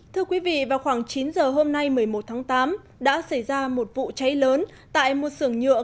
thưa quý vị vào khoảng chín giờ hôm nay một mươi một tháng tám đã xảy ra một vụ cháy lớn tại một sưởng nhựa